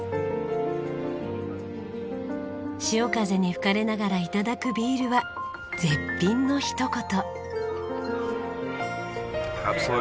潮風に吹かれながら頂くビールは絶品の一言。